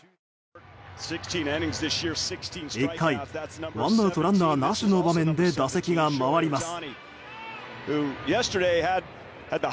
１回ワンアウト、ランナーなしの場面で打席が回ります。